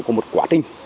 của một quả trình